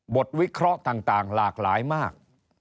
วิเคราะห์ต่างหลากหลายมาก